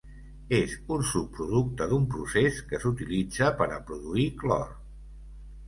És un subproducte d'un procés que s'utilitza per a produir clor.